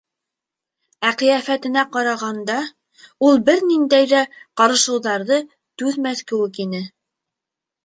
Ә ҡиәфәтенә ҡарағанда, ул бер ниндәй ҙә ҡарышыуҙарҙы түҙмәҫ кеүек ине.